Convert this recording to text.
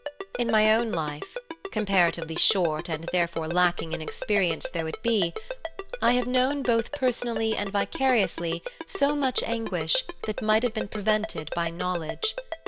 In my own life, comparatively short and therefore lacking in experience though it be, I have known both personally and vicariously so much anguish that might have been prevented by knowledge.